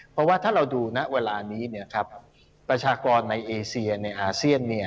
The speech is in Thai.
เพราะว่าถ้าเราดูณเวลานี้ประชากรในเอเซียในอาเซียน